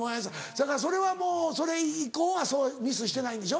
そやからそれはもうそれ以降はミスしてないんでしょ？